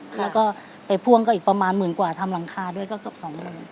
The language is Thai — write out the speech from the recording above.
แล้วก็ไปพ่วงก็อีกประมาณหมื่นกว่าทำหลังคาด้วยก็เกือบสองหมื่น